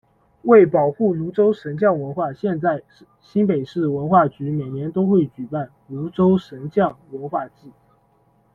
为保护芦洲神将文化，现在新北市文化局每年都会举办「芦洲神将文化祭」。